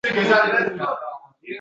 Qalbingiz kishanlangan ekan